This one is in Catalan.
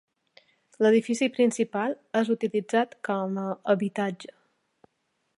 L'edifici principal és utilitzat com a habitatge.